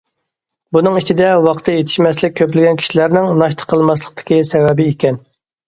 بۇنىڭ ئىچىدە، ۋاقتى يېتىشمەسلىك كۆپلىگەن كىشىلەرنىڭ ناشتا قىلماسلىقتىكى سەۋەبى ئىكەن.